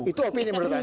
itu opini menurut anda